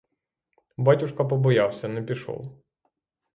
Батюшка побоявся, — не пішов.